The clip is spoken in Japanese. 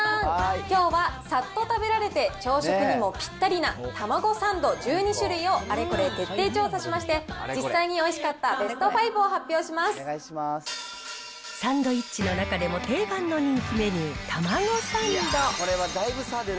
きょうはさっと食べられて朝食にもぴったりなたまごサンド１２種類をあれこれ徹底調査しまして、実際においしかったベスト５を発サンドイッチの中でも定番の人気メニュー、たまごサンド。